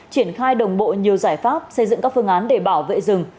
triển khai đồng bộ nhiều giải pháp xây dựng các phương án để bảo vệ rừng